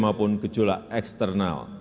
maupun gejolak eksternal